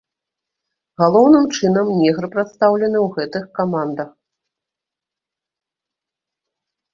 Галоўным чынам негры прадстаўлены ў гэтых камандах.